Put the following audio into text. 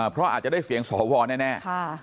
เพราะอาจจะได้เสียงสวแน่